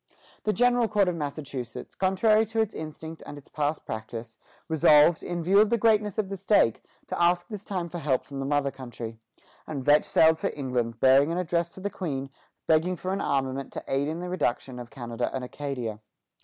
The General Court of Massachusetts, contrary to its instinct and its past practice, resolved, in view of the greatness of the stake, to ask this time for help from the mother country, and Vetch sailed for England, bearing an address to the Queen, begging for an armament to aid in the reduction of Canada and Acadia.